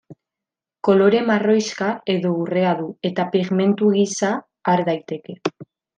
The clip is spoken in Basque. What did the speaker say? Kolore marroixka edo urrea du eta pigmentu gisa har daiteke.